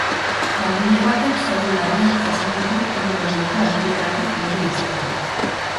Langile batek zauri larriak jasan ditu hiru metroko altueratik erori ostean.